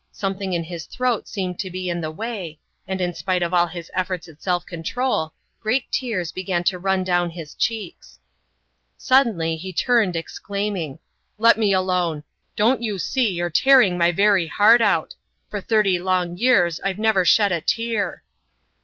Something in his throat seemed to be in the way, and in spite of all his efforts at self control, great tears began to run down his cheeks. Suddenly he turned exclaiming, "Let me alone! Don't you see you're tearing my very heart out! For thirty long years I've never shed a tear."